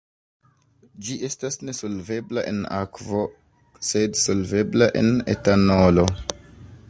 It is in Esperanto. Ĝi estas nesolvebla en akvo sed solvebla en etanolo.